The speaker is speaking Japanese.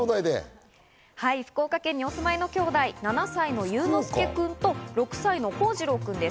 福岡県にお住まいの兄弟７歳の勇之介君と６歳の康次郎君です。